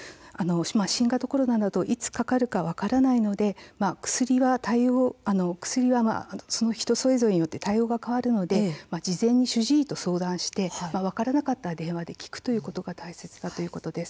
新型コロナなどいつかかるか分からないので薬は人それぞれによって対応は変わるので、事前に主治医と、相談して分からなかったら電話で聞くということが大切だということです。